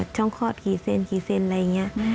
ช่องคลอดกี่เซนกี่เซนอะไรอย่างนี้